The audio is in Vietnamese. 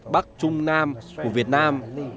bắc trung nam của việt nam